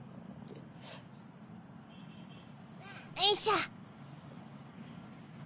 よいしょ。